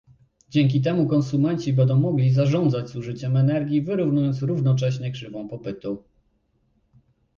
Dzięki temu konsumenci będą mogli zarządzać zużyciem energii, wyrównując równocześnie krzywą popytu